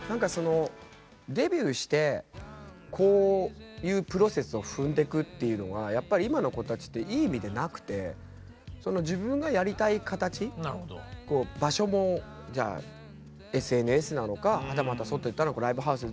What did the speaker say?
デビューしてこういうプロセスを踏んでくっていうのはやっぱり今の子たちっていい意味でなくてその自分がやりたい形場所もじゃあＳＮＳなのかはたまた外行ったらライブハウス